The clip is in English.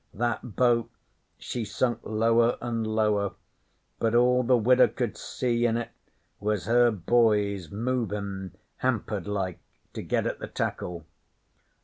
That boat she sunk lower an' lower, but all the Widow could see in it was her boys movin' hampered like to get at the tackle.